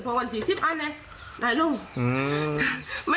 พอวะวันที่๑๐อันแล้ว